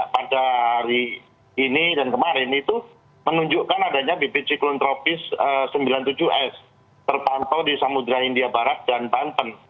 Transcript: pada hari ini dan kemarin itu menunjukkan adanya bibit siklon tropis sembilan puluh tujuh s terpantau di samudera india barat dan banten